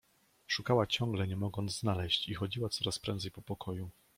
Szukała ciągle, nie mogąc znaleźć, i chodziła coraz prędzej po pokoju.